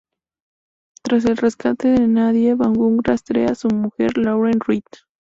Tras el rescate de Nadia, Vaughn rastrea a su Mujer Lauren Reed.